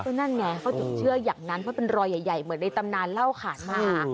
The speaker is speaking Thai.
ก็นั่นไงเขาถึงเชื่ออย่างนั้นเพราะเป็นรอยใหญ่เหมือนในตำนานเล่าขานมา